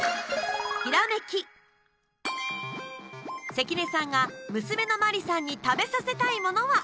関根さんが娘の麻里さんに食べさせたいものは？